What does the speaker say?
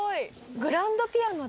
グランドピアノだ。